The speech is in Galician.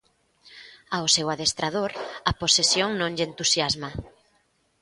Ao seu adestrador a posesión non lle entusiasma.